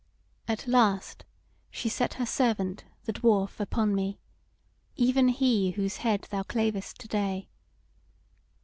At last she set her servant, the Dwarf, upon me, even he whose head thou clavest to day.